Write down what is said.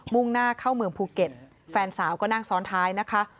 ่งหน้าเข้าเมืองภูเก็ตแฟนสาวก็นั่งซ้อนท้ายนะคะ